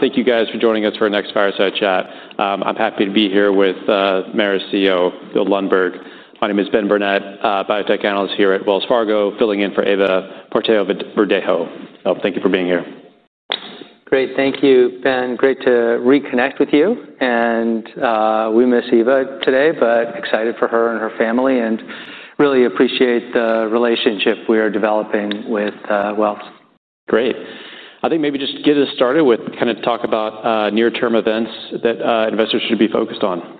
Thank you guys for joining us for our next fireside chat. I'm happy to be here with Merus CEO, Bill Lundberg. My name is Ben Burnett, biotech analyst here at Wells Fargo, filling in for Eva Fortea-Verdejo. Thank you for being here. Great, thank you, Ben. Great to reconnect with you. We miss Eva today, but excited for her and her family, and really appreciate the relationship we are developing with Wells Fargo. Great. I think maybe just get us started with kind of talk about near-term events that investors should be focused on.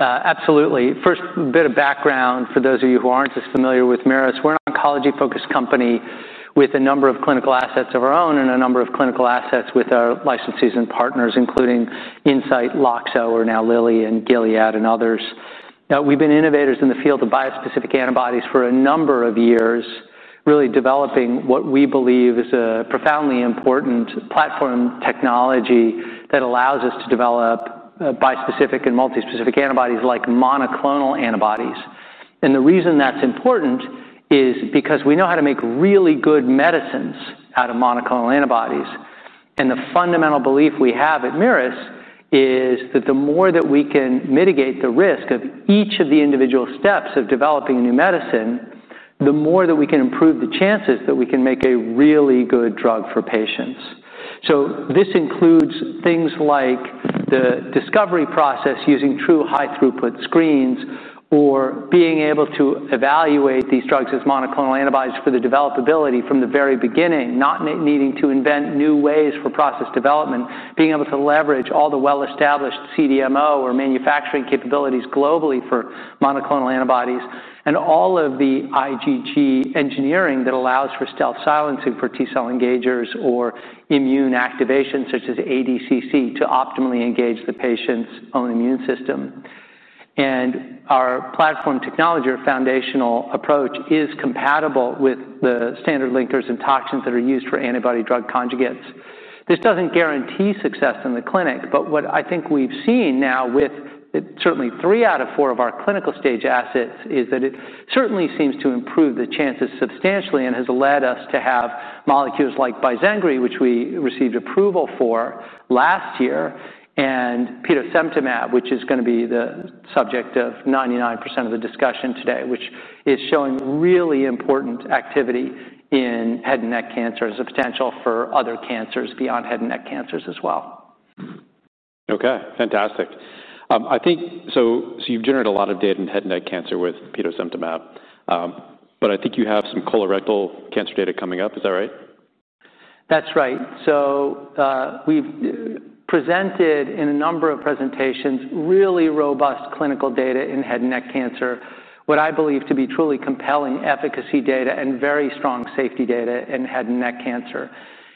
Absolutely. First bit of background for those of you who aren't as familiar with Merus. We're an oncology-focused company with a number of clinical assets of our own and a number of clinical assets with our licenses and partners, including Incyte, Loxo, or now Lilly and Gilead, and others. We've been innovators in the field of bispecific antibodies for a number of years, really developing what we believe is a profoundly important platform technology that allows us to develop bispecific and multispecific antibodies like monoclonal antibodies. The reason that's important is because we know how to make really good medicines out of monoclonal antibodies. The fundamental belief we have at Merus is that the more that we can mitigate the risk of each of the individual steps of developing new medicine, the more that we can improve the chances that we can make a really good drug for patients. This includes things like the discovery process using true high-throughput screens or being able to evaluate these drugs as monoclonal antibodies for the developability from the very beginning, not needing to invent new ways for process development, being able to leverage all the well-established CDMO or manufacturing capabilities globally for monoclonal antibodies, and all of the IgG engineering that allows for stealth silencing for T-cell engagers or immune activation such as ADCC to optimally engage the patient's own immune system. Our platform technology, our foundational approach, is compatible with the standard linkers and toxins that are used for antibody drug conjugates. This doesn't guarantee success in the clinic, but what I think we've seen now with certainly three out of four of our clinical stage assets is that it certainly seems to improve the chances substantially and has led us to have molecules like BIZENGRI, which we received approval for last year, and petosemtamab, which is going to be the subject of 99% of the discussion today, which is showing really important activity in head and neck cancer, substantial for other cancers beyond head and neck cancers as well. Okay, fantastic. I think you've generated a lot of data in head and neck cancer with petosemtamab, but I think you have some colorectal cancer data coming up. Is that right? That's right. We've presented in a number of presentations really robust clinical data in head and neck cancer, what I believe to be truly compelling efficacy data and very strong safety data in head and neck cancer.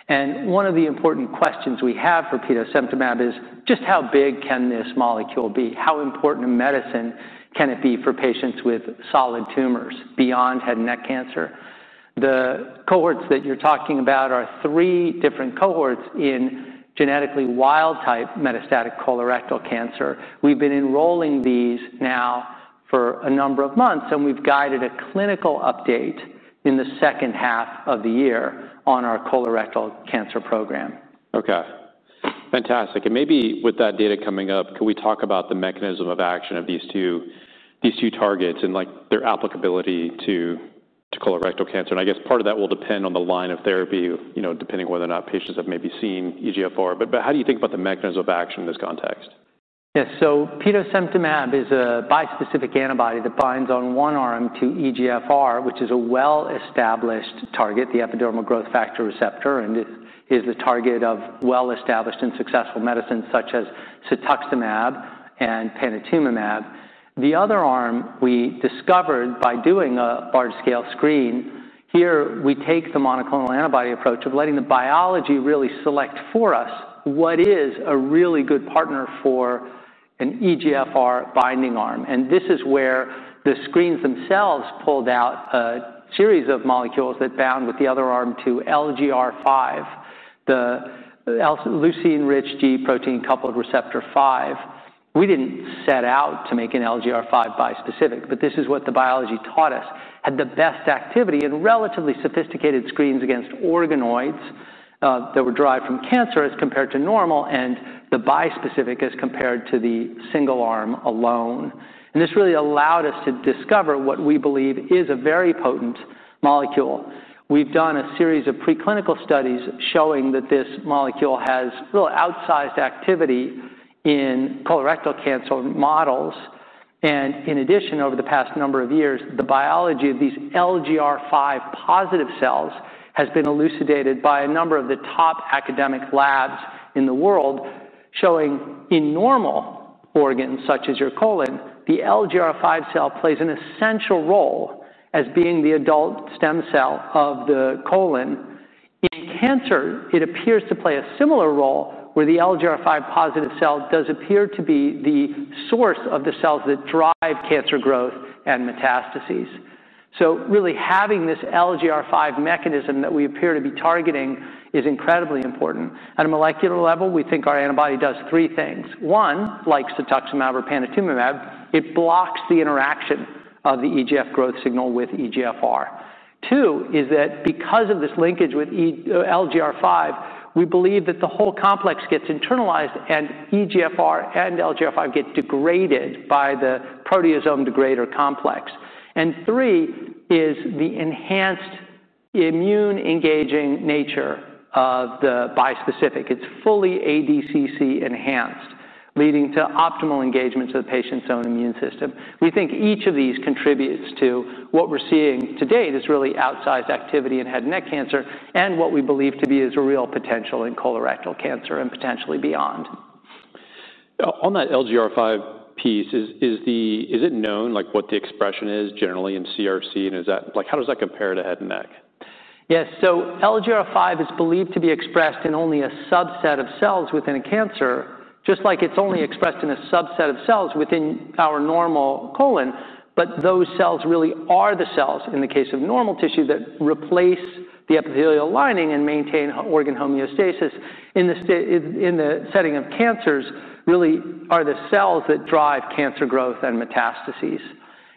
One of the important questions we have for petosemtamab is just how big can this molecule be? How important in medicine can it be for patients with solid tumors beyond head and neck cancer? The cohorts that you're talking about are three different cohorts in genetically wild-type metastatic colorectal cancer. We've been enrolling these now for a number of months, and we've guided a clinical update in the second half of the year on our colorectal cancer program. Oay, fantastic. Maybe with that data coming up, can we talk about the mechanism of action of these two targets and their applicability to colorectal cancer? I guess part of that will depend on the line of therapy, depending on whether or not patients have maybe seen EGFR. How do you think about the mechanism of action in this context? Yes, so petosemtamab is a bispecific antibody that binds on one arm to EGFR, which is a well-established target, the epidermal growth factor receptor, and is the target of well-established and successful medicines such as cetuximab and panitumumab. The other arm we discovered by doing a large-scale screen. Here we take the monoclonal antibody approach of letting the biology really select for us what is a really good partner for an EGFR binding arm. This is where the screens themselves pulled out a series of molecules that bound with the other arm to LGR5, the leucine-rich G protein coupled receptor 5. We didn't set out to make an LGR5 bispecific, but this is what the biology taught us had the best activity in relatively sophisticated screens against organoids that were derived from cancer as compared to normal and the bispecific as compared to the single arm alone. This really allowed us to discover what we believe is a very potent molecule. We've done a series of preclinical studies showing that this molecule has little outsized activity in colorectal cancer models. In addition, over the past number of years, the biology of these LGR5- positive cells has been elucidated by a number of the top academic labs in the world, showing in normal organs such as your colon, the LGR5 cell plays an essential role as being the adult stem cell of the colon. In cancer, it appears to play a similar role where the LGR5- positive cell does appear to be the source of the cells that drive cancer growth and metastases. Really having this LGR5 mechanism that we appear to be targeting is incredibly important. At a molecular level, we think our antibody does three things. One, like cetuximab or panitumumab, it blocks the interaction of the EGF growth signal with EGFR. Two is that because of this linkage with LGR5, we believe that the whole complex gets internalized and EGFR and LGR5 get degraded by the proteasome degrader complex. Three is the enhanced immune-engaging nature of the bispecific. It's fully ADCC enhanced, leading to optimal engagements of the patient's own immune system. We think each of these contributes to what we're seeing today, this really outsized activity in head and neck cancer and what we believe to be a real potential in colorectal cancer and potentially beyond. On that LGR5 piece, is it known what the expression is generally in CRC? How does that compare to head and neck? Yes, LGR5 is believed to be expressed in only a subset of cells within a cancer, just like it's only expressed in a subset of cells within our normal colon. Those cells really are the cells in the case of normal tissue that replace the epithelial lining and maintain organ homeostasis. In the setting of cancers, those really are the cells that drive cancer growth and metastases.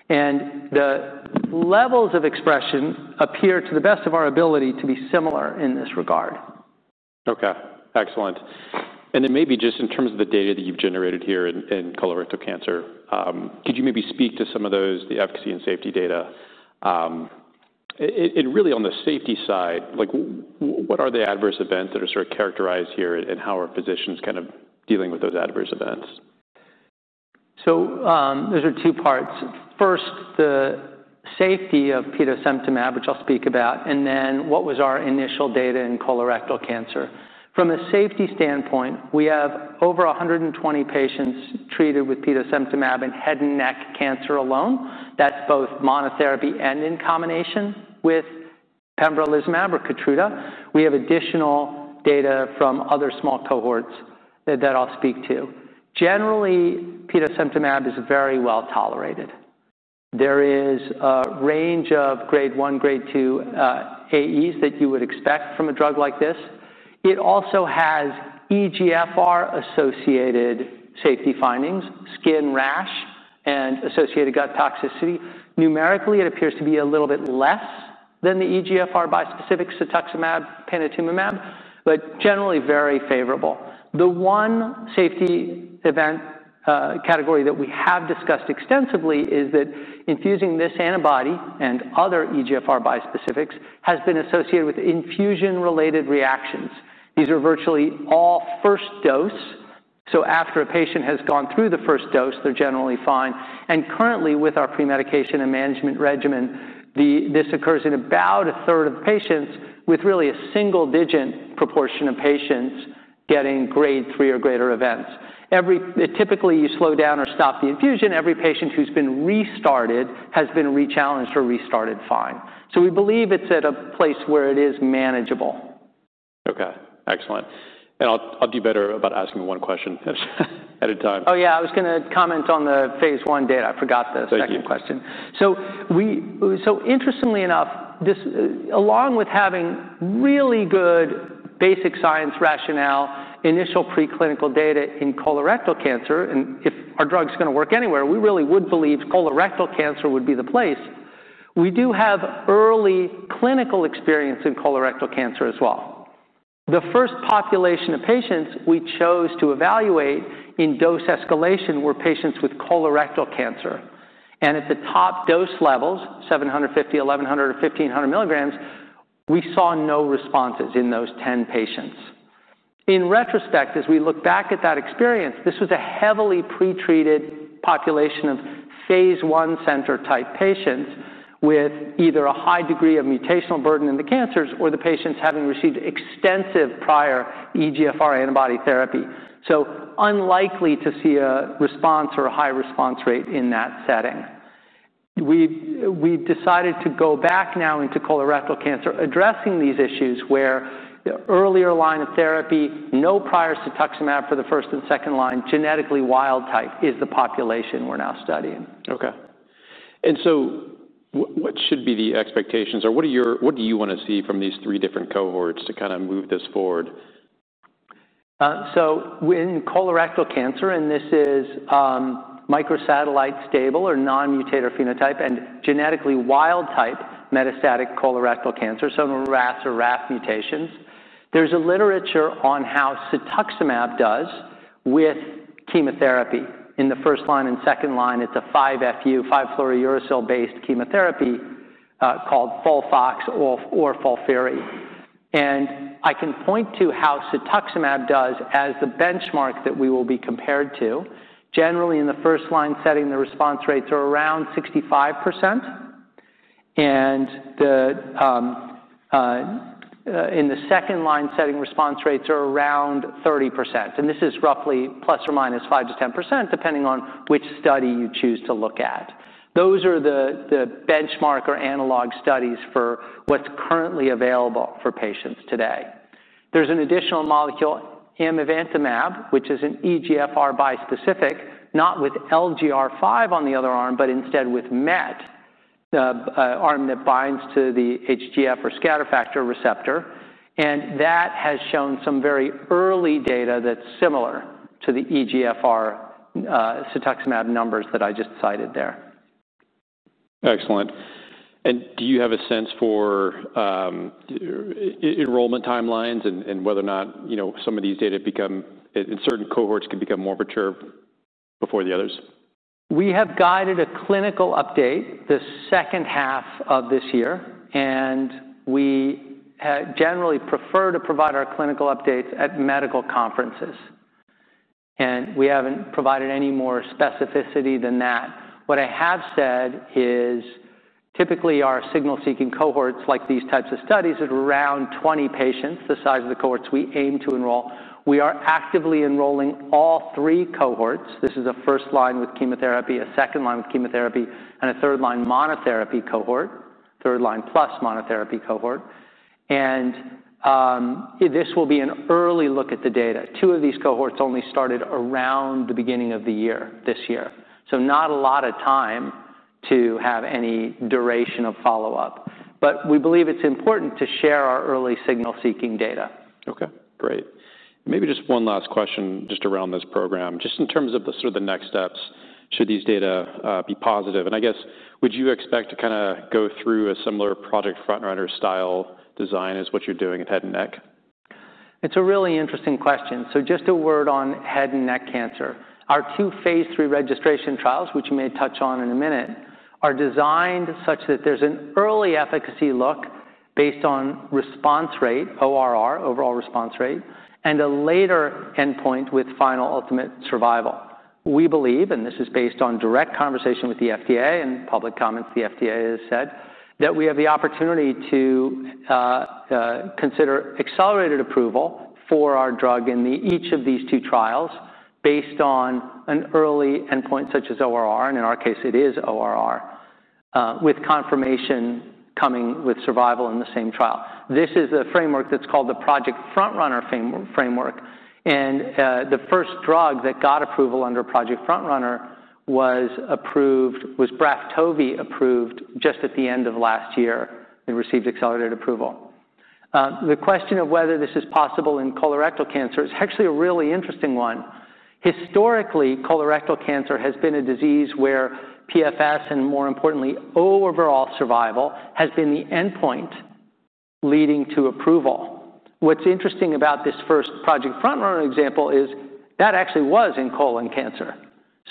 The levels of expression appear, to the best of our ability, to be similar in this regard. Okay, excellent. Maybe just in terms of the data that you've generated here in colorectal cancer, could you maybe speak to some of those, the efficacy and safety data? Really on the safety side, what are the adverse events that are sort of characterized here and how are physicians kind of dealing with those adverse events? Those are two parts. First, the safety of petosemtamab, which I'll speak about, and then what was our initial data in colorectal cancer. From a safety standpoint, we have over 120 patients treated with petosemtamab in head and neck cancer alone. That's both monotherapy and in combination with pembrolizumab or KEYTRUDA. We have additional data from other small cohorts that I'll speak to. Generally, petosemtamab is very well tolerated. There is a range of grade 1, grade 2 AEs that you would expect from a drug like this. It also has EGFR-associated safety findings, skin rash, and associated gut toxicity. Numerically, it appears to be a little bit less than the EGFR bispecific cetuximab, panitumumab, but generally very favorable. The one safety event category that we have discussed extensively is that infusing this antibody and other EGFR bispecifics has been associated with infusion-related reactions. These are virtually all first dose. After a patient has gone through the first dose, they're generally fine. Currently, with our premedication and management regimen, this occurs in about a third of the patients with really a single-digit proportion of patients getting grade 3 or greater events. Typically, you slow down or stop the infusion. Every patient who's been restarted has been rechallenged or restarted fine. We believe it's at a place where it is manageable. Okay, excellent. I'll do better about asking one question at a time. Oh, yeah, I was going to comment on the phase 1 data. I forgot the second question. Interestingly enough, this along with having really good basic science rationale, initial preclinical data in colorectal cancer, and if our drug's going to work anywhere, we really would believe colorectal cancer would be the place. We do have early clinical experience in colorectal cancer as well. The first population of patients we chose to evaluate in dose escalation were patients with colorectal cancer. At the top dose levels, 750 mg, 1,100 mg, or 1,500 mg, we saw no responses in those 10 patients. In retrospect, as we look back at that experience, this was a heavily pretreated population of phase 1 center- type patients with either a high degree of mutational burden in the cancers or the patients having received extensive prior EGFR antibody therapy. Unlikely to see a response or a high response rate in that setting. We decided to go back now into colorectal cancer, addressing these issues where the earlier line of therapy, no prior cetuximab for the first and second line, genetically wild-type, is the population we're now studying. What should be the expectations or what do you want to see from these three different cohorts to kind of move this forward? In colorectal cancer, and this is microsatellite-stable or non-mutator phenotype and genetically wild-type metastatic colorectal cancer, so no RAS or RAF mutations, there's a literature on how cetuximab does with chemotherapy in the first line and second line. It's a 5-FU, 5-fluorouracil-based chemotherapy called FOLFOX or FOLFIRI. I can point to how cetuximab does as the benchmark that we will be compared to. Generally, in the first-line setting, the response rates are around 65%. In the second-line setting, response rates are around 30%. This is roughly ± 5% to ± 10%, depending on which study you choose to look at. Those are the benchmark or analog studies for what's currently available for patients today. There's an additional molecule, imivantamab, which is an EGFR bispecific, not with LGR5 on the other arm, but instead with MET, the arm that binds to the HGF or scatter factor receptor. That has shown some very early data that's similar to the EGFR cetuximab numbers that I just cited there. Excellent. Do you have a sense for enrollment timelines and whether or not some of these data, in certain cohorts, could become more mature before the others? We have guided a clinical update the second half of this year. We generally prefer to provide our clinical updates at medical conferences, and we haven't provided any more specificity than that. What I have said is typically our signal-seeking cohorts, like these types of studies, are around 20 patients, the size of the cohorts we aim to enroll. We are actively enrolling all three cohorts. This is a first-line with chemotherapy, a second-line with chemotherapy, and a third-line monotherapy cohort, third-line plus monotherapy cohort. This will be an early look at the data. Two of these cohorts only started around the beginning of the year this year, so not a lot of time to have any duration of follow-up. We believe it's important to share our early signal-seeking data. Okay, great. Maybe just one last question around this program, just in terms of the sort of the next steps, should these data be positive. I guess, would you expect to kind of go through a similar Project FrontRunner style design as what you're doing at head and neck? It's a really interesting question. Just a word on head and neck cancer. Our two phase 3 registration trials, which you may touch on in a minute, are designed such that there's an early efficacy look based on response rate, ORR, overall response rate, and a later endpoint with final ultimate survival. We believe, and this is based on direct conversation with the FDA and public comments the FDA has said, that we have the opportunity to consider accelerated approval for our drug in each of these two trials based on an early endpoint such as ORR. In our case, it is ORR with confirmation coming with survival in the same trial. This is the framework that's called the Project FrontRunner framework. The first drug that got approval under Project FrontRunner was BRAFTOVI, approved just at the end of last year, and received accelerated approval. The question of whether this is possible in colorectal cancer is actually a really interesting one. Historically, colorectal cancer has been a disease where PFS and, more importantly, overall survival has been the endpoint leading to approval. What's interesting about this first Project FrontRunner example is that it actually was in colon cancer.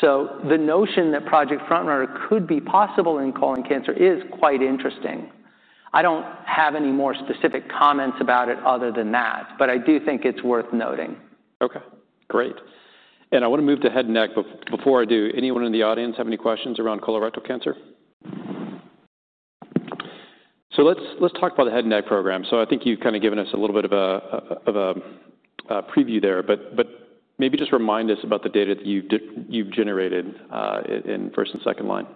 The notion that Project FrontRunner could be possible in colon cancer is quite interesting. I don't have any more specific comments about it other than that. I do think it's worth noting. Okay, great. I want to move to head and neck. Before I do, anyone in the audience have any questions around colorectal cancer? Let's talk about the head and neck program. I think you've kind of given us a little bit of a preview there, but maybe just remind us about the data that you've generated in first and second line.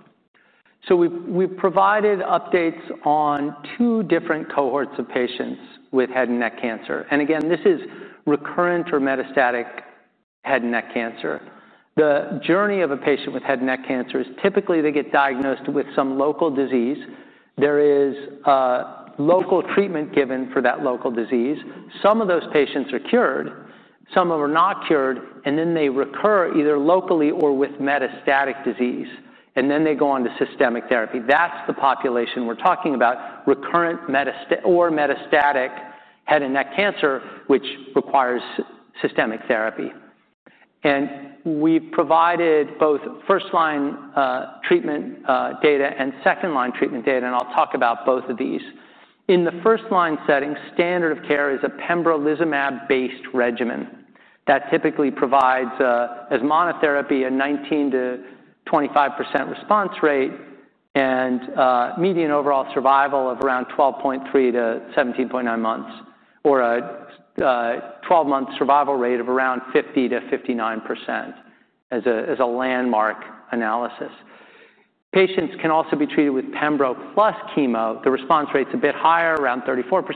We have provided updates on two different cohorts of patients with head and neck cancer. This is recurrent or metastatic head and neck cancer. The journey of a patient with head and neck cancer is typically they get diagnosed with some local disease. There is a local treatment given for that local disease. Some of those patients are cured. Some of them are not cured. They recur either locally or with metastatic disease. They go on to systemic therapy. That is the population we are talking about, recurrent or metastatic head and neck cancer, which requires systemic therapy. We have provided both first-line treatment data and second-line treatment data. I will talk about both of these. In the first-line setting, standard of care is a pembrolizumab-based regimen that typically provides as monotherapy a 19%- 25% response rate and median overall survival of around 12.3 months- 17.9 months or a 12-month survival rate of around 50%- 59% as a landmark analysis. Patients can also be treated with pembrolizumab plus chemo. The response rate is a bit higher, around 34%.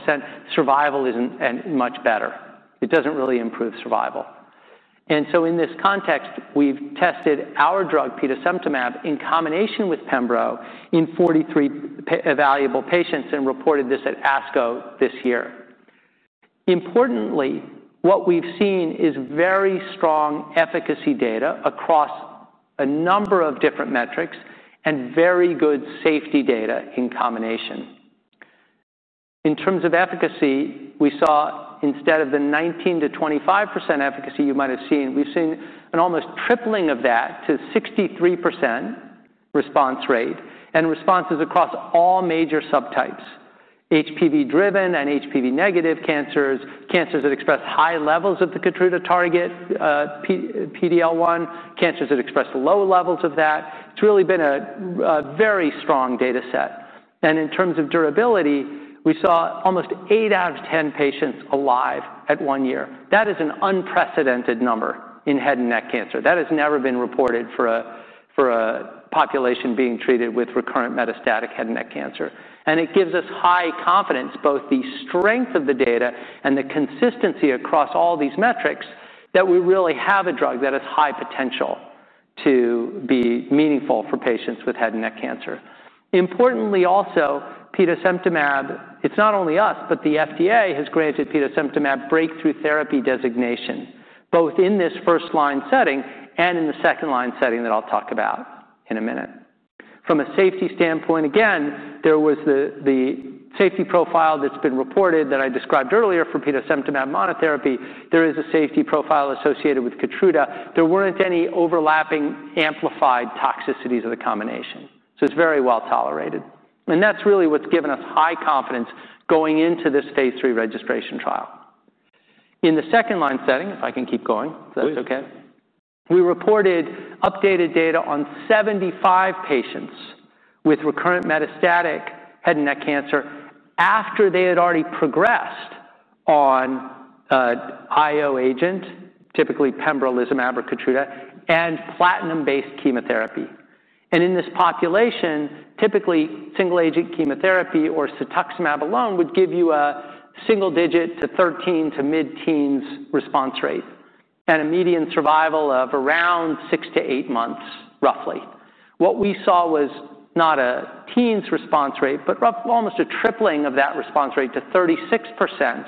Survival is not much better. It does not really improve survival. In this context, we have tested our drug, petosemtamab, in combination with pembrolizumab in 43 evaluable patients and reported this at ASCO this year. Importantly, what we have seen is very strong efficacy data across a number of different metrics and very good safety data in combination. In terms of efficacy, we saw instead of the 19%- 25% efficacy you might have seen, we have seen an almost tripling of that to 63% response rate and responses across all major subtypes, HPV-driven and HPV-negative cancers, cancers that express high levels of the KEYTRUDA target PD-L1, cancers that express low levels of that. It has really been a very strong data set. In terms of durability, we saw almost 8 out of 10 patients alive at one year. That is an unprecedented number in head and neck cancer. That has never been reported for a population being treated with recurrent metastatic head and neck cancer. It gives us high confidence, both the strength of the data and the consistency across all these metrics, that we really have a drug that has high potential to be meaningful for patients with head and neck cancer. Importantly also, petosemtamab, it is not only us, but the FDA has granted petosemtamab breakthrough therapy designation, both in this first-line setting and in the second-line setting that I will talk about in a minute. From a safety standpoint, again, there was the safety profile that has been reported that I described earlier for petosemtamab monotherapy. There is a safety profile associated with KEYTRUDA. There were not any overlapping amplified toxicities of the combination. It is very well tolerated. That is really what has given us high confidence going into this phase 3 registration trial. In the second-line setting, if I can keep going, if that is okay. We reported updated data on 75 patients with recurrent metastatic head and neck cancer after they had already progressed on IO agent, typically pembrolizumab or KEYTRUDA, and platinum-based chemotherapy. In this population, typically single-agent chemotherapy or cetuximab alone would give you a single-digit to 13% to mid-teens response rate and a median survival of around six to eight months, roughly. What we saw was not a teens response rate, but almost a tripling of that response rate to 36%,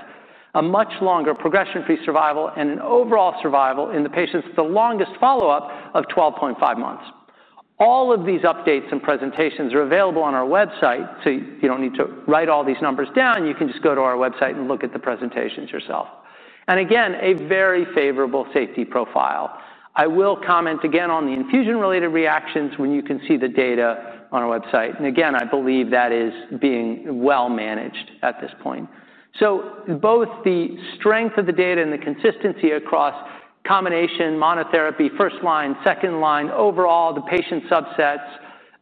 a much longer progression-free survival, and an overall survival in the patients with the longest follow-up of 12.5 months. All of these updates and presentations are available on our website. You don't need to write all these numbers down. You can just go to our website and look at the presentations yourself. Again, a very favorable safety profile. I will comment again on the infusion-related reactions when you can see the data on our website. I believe that is being well managed at this point. Both the strength of the data and the consistency across combination, monotherapy, first line, second line, overall the patient subsets,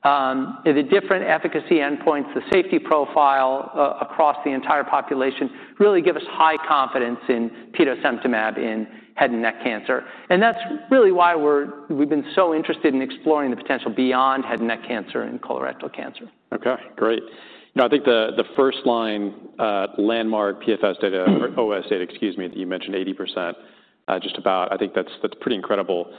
the different efficacy endpoints, the safety profile across the entire population really give us high confidence in petosemtamab in head and neck cancer. That's really why we've been so interested in exploring the potential beyond head and neck cancer and colorectal cancer. Okay, great. Now, I think the first-line landmark PFS data, OS data, excuse me, that you mentioned, 80% just about, I think that's pretty incredible.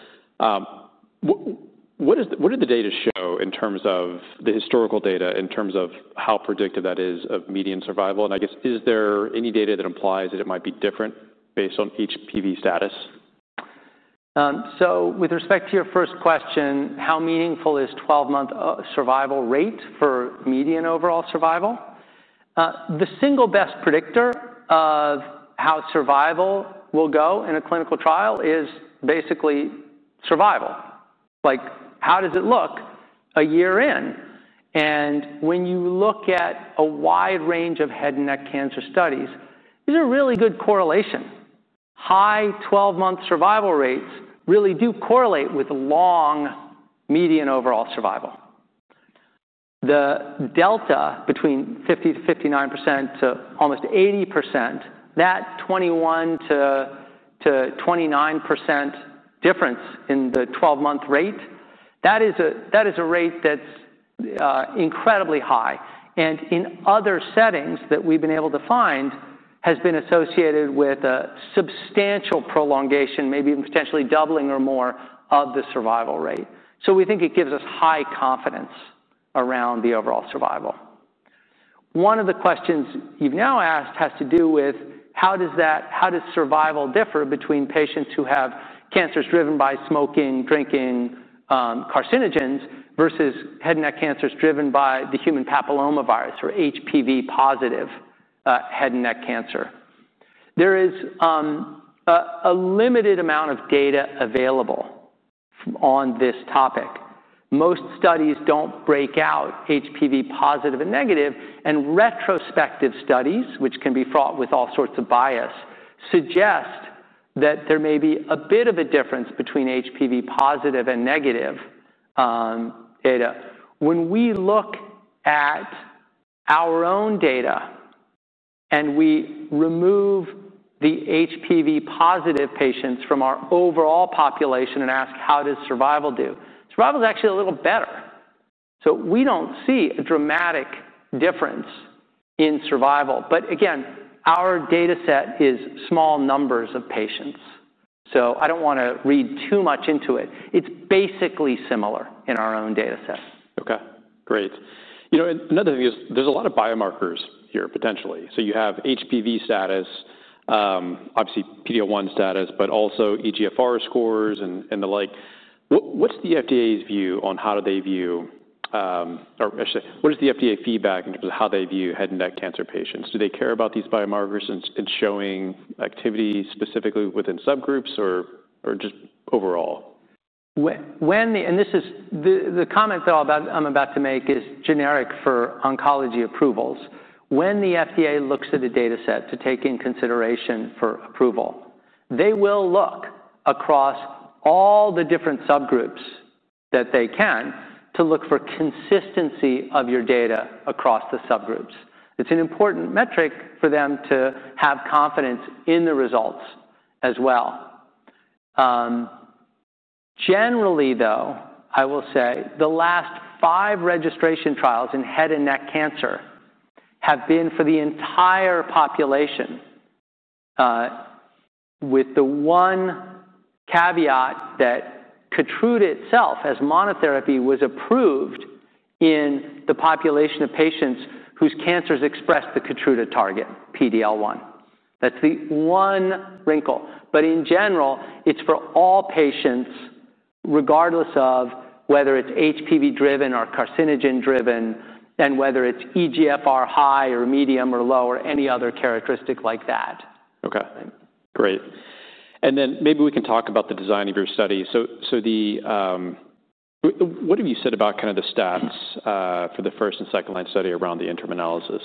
What did the data show in terms of the historical data, in terms of how predictive that is of median survival? Is there any data that implies that it might be different based on HPV status? With respect to your first question, how meaningful is 12-month survival rate for median overall survival? The single best predictor of how survival will go in a clinical trial is basically survival. Like, how does it look a year in? When you look at a wide range of head and neck cancer studies, there's a really good correlation. High 12-month survival rates really do correlate with long median overall survival. The delta between 50% to 59% to almost 80%, that's 21%- 29% difference in the 12-month rate. That is a rate that's incredibly high. In other settings that we've been able to find, it has been associated with a substantial prolongation, maybe even potentially doubling or more of the survival rate. We think it gives us high confidence around the overall survival. One of the questions you've now asked has to do with how does survival differ between patients who have cancers driven by smoking, drinking, carcinogens versus head and neck cancers driven by the human papillomavirus or HPV-positive head and neck cancer. There is a limited amount of data available on this topic. Most studies don't break out HPV positive and negative. Retrospective studies, which can be fraught with all sorts of bias, suggest that there may be a bit of a difference between HPV positive and negative data. When we look at our own data and we remove the HPV positive patients from our overall population and ask, how does survival do, survival is actually a little better. We don't see a dramatic difference in survival. Again, our data set is small numbers of patients, so I don't want to read too much into it. It's basically similar in our own data set. Okay, great. You know, another thing is there's a lot of biomarkers here potentially. You have HPV status, obviously PD-L1 status, but also EGFR scores and the like. What's the FDA's view on how do they view, or actually, what is the FDA feedback in terms of how they view head and neck cancer patients? Do they care about these biomarkers and showing activity specifically within subgroups or just overall? This comment that I'm about to make is generic for oncology approvals. When the FDA looks at a data set to take into consideration for approval, they will look across all the different subgroups that they can to look for consistency of your data across the subgroups. It's an important metric for them to have confidence in the results as well. Generally, though, I will say the last five registration trials in head and neck cancer have been for the entire population with the one caveat that KEYTRUDA itself as monotherapy was approved in the population of patients whose cancers expressed the KEYTRUDA target, PD-L1. That's the one wrinkle. In general, it's for all patients regardless of whether it's HPV-driven or carcinogen-driven and whether it's EGFR high or medium or low or any other characteristic like that. Okay, great. Maybe we can talk about the design of your study. What have you said about kind of the stats for the first and second line study around the interim analysis?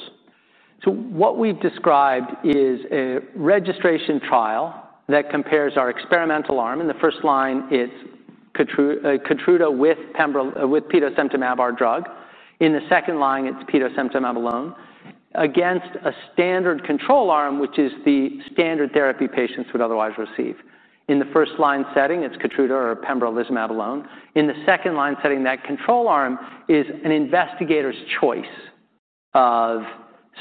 What we've described is a registration trial that compares our experimental arm. In the first line, it's KEYTRUDA with petosemtamab, our drug. In the second line, it's petosemtamab alone against a standard control arm, which is the standard therapy patients would otherwise receive. In the first line setting, it's KEYTRUDA or pembrolizumab alone. In the second line setting, that control arm is an investigator's choice of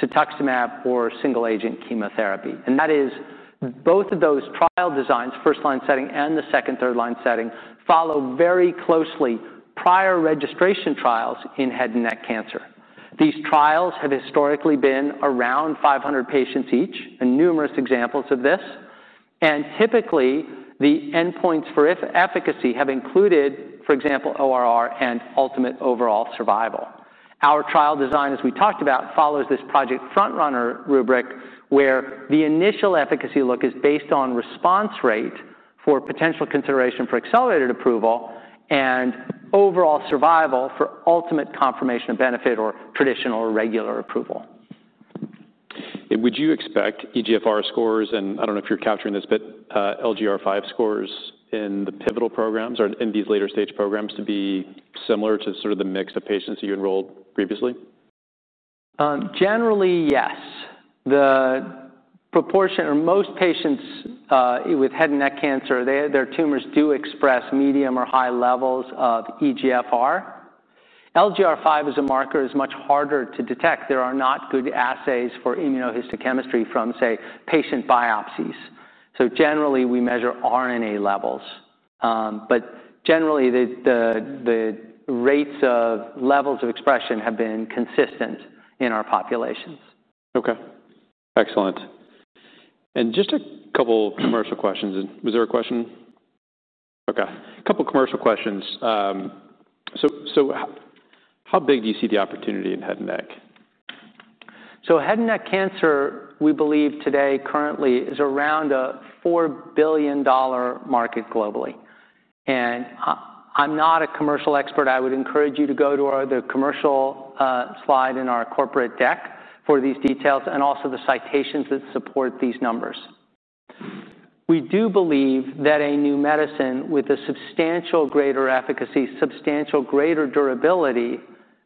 cetuximab or single-agent chemotherapy. Both of those trial designs, first line setting and the second, third line setting, follow very closely prior registration trials in head and neck cancer. These trials have historically been around 500 patients each and there are numerous examples of this. Typically, the endpoints for efficacy have included, for example, ORR and ultimate overall survival. Our trial design, as we talked about, follows this Project FrontRunner rubric where the initial efficacy look is based on response rate for potential consideration for accelerated approval and overall survival for ultimate confirmation of benefit or traditional or regular approval. Would you expect EGFR scores, and I don't know if you're capturing this, but LGR5 scores in the pivotal programs or in these later stage programs to be similar to sort of the mix of patients that you enrolled previously? Generally, yes. The proportion or most patients with head and neck cancer, their tumors do express medium or high levels of EGFR. LGR5 is a marker that is much harder to detect. There are not good assays for immunohistochemistry from, say, patient biopsies. Generally, we measure RNA levels. The rates of levels of expression have been consistent in our populations. Excellent. Just a couple of commercial questions. Was there a question? A couple of commercial questions. How big do you see the opportunity in head and neck? Head and neck cancer, we believe today currently is around a $4 billion market globally. I'm not a commercial expert. I would encourage you to go to the commercial slide in our corporate deck for these details and also the citations that support these numbers. We do believe that a new medicine with a substantial greater efficacy, substantial greater durability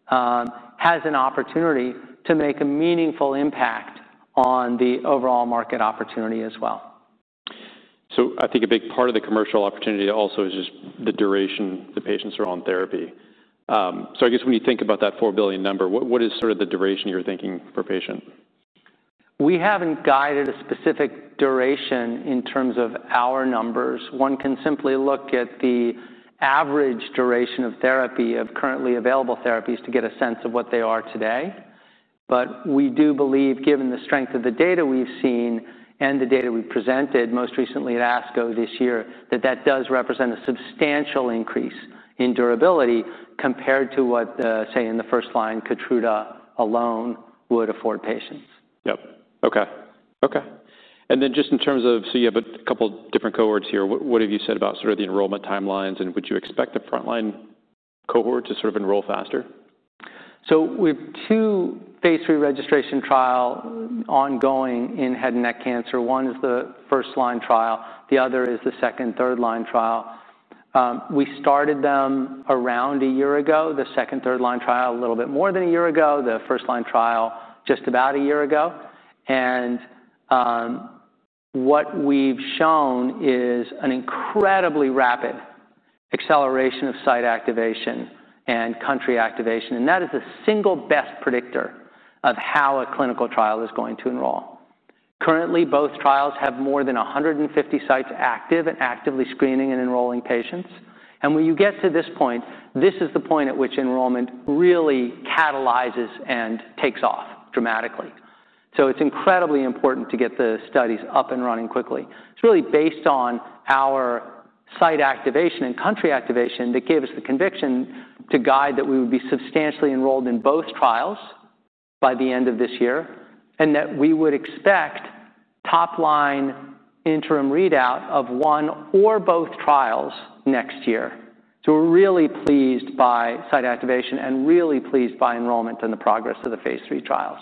has an opportunity to make a meaningful impact on the overall market opportunity as well. I think a big part of the commercial opportunity also is just the duration the patients are on therapy. I guess when you think about that $4 billion number, what is sort of the duration you're thinking per patient? We haven't guided a specific duration in terms of our numbers. One can simply look at the average duration of therapy of currently available therapies to get a sense of what they are today. We do believe, given the strength of the data we've seen and the data we presented most recently at ASCO this year, that that does represent a substantial increase in durability compared to what, say, in the first line, KEYTRUDA alone would afford patients. Okay. In terms of, you have a couple of different cohorts here. What have you said about the enrollment timelines? Would you expect the front-line cohort to enroll faster? We have two phase 3 registration trials ongoing in head and neck cancer. One is the first-line trial, the other is the second- and third-line trial. We started them around a year ago, the second- and third-line trial a little bit more than a year ago, the first-line trial just about a year ago. What we've shown is an incredibly rapid acceleration of site activation and country activation. That is the single best predictor of how a clinical trial is going to enroll. Currently, both trials have more than 150 sites active and actively screening and enrolling patients. When you get to this point, this is the point at which enrollment really catalyzes and takes off dramatically. It's incredibly important to get the studies up and running quickly. It's really based on our site activation and country activation that gave us the conviction to guide that we would be substantially enrolled in both trials by the end of this year and that we would expect top-line interim readout of one or both trials next year. We're really pleased by site activation and really pleased by enrollment and the progress of the phase 3 trials.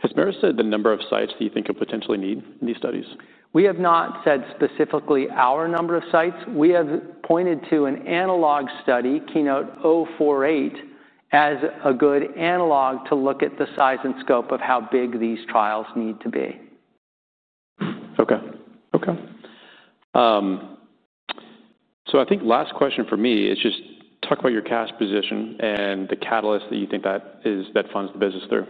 Has Merus said the number of sites that you think could potentially need these studies? We have not said specifically our number of sites. We have pointed to an analog study, KEYNOTE- 048, as a good analog to look at the size and scope of how big these trials need to be. I think last question for me is just talk about your cash position and the catalyst that you think that funds the business through.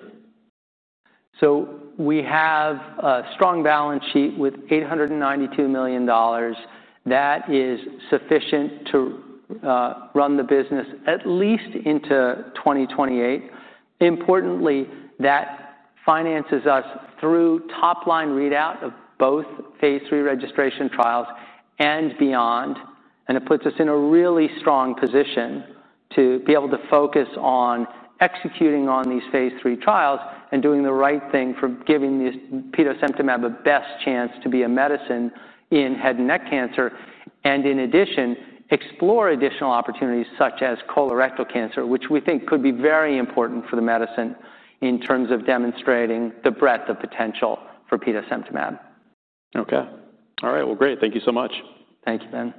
We have a strong balance sheet with $892 million. That is sufficient to run the business at least into 2028. Importantly, that finances us through top- line readout of both phase 3 registration trials and beyond. It puts us in a really strong position to be able to focus on executing on these phase 3 trials and doing the right thing for giving petosemtamab a best chance to be a medicine in head and neck cancer. In addition, explore additional opportunities such as colorectal cancer, which we think could be very important for the medicine in terms of demonstrating the breadth of potential for petosemtamab. Okay, all right. Great. Thank you so much. Thank you, Ben.